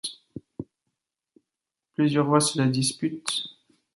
Plusieurs rois se la disputent.